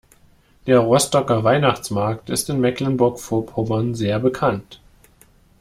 Der Rostocker Weihnachtsmarkt ist in Mecklenburg Vorpommern sehr bekannt.